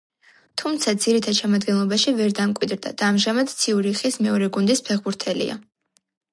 თუმცა ძირითად შემადგენლობაში ვერ დამკვიდრდა და ამჟამად „ციურიხის“ მეორე გუნდის ფეხბურთელია.